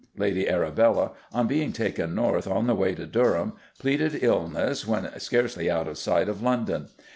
Lady Arabella, on being taken north on the way to Durham, pleaded illness when scarcely out of sight of London.